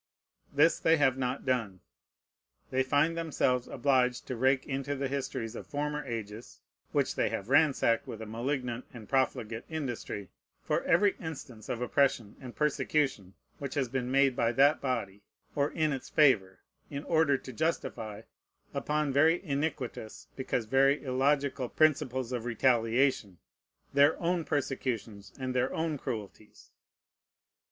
This they have not done. They find themselves obliged to rake into the histories of former ages (which they have ransacked with a malignant and profligate industry) for every instance of oppression and persecution which has been made by that body or in its favor, in order to justify, upon very iniquitous because very illogical principles of retaliation, their own persecutions and their own cruelties.